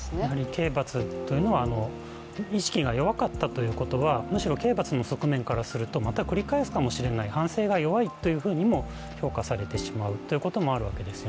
刑罰というのは、意識が弱かったということはむしろ刑罰の側面からするとまた繰り返すかもしれない、反省が弱いというふうにも評価されてしまうということもあるわけです。